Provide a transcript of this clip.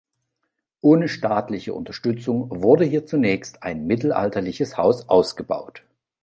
Ohne staatliche Unterstützung wurde hier zunächst ein mittelalterliches Haus ausgebaut.